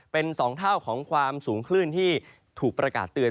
เป็น๒เท่าของความสูงคลื่นที่ถูกประกาศเตือน